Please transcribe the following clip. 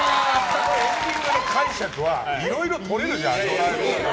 あのエンディングの解釈はいろいろとれるよね。